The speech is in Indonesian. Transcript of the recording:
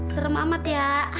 serem amat ya